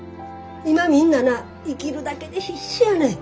今みんなな生きるだけで必死やねん。